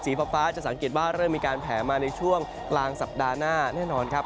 ฟ้าจะสังเกตว่าเริ่มมีการแผลมาในช่วงกลางสัปดาห์หน้าแน่นอนครับ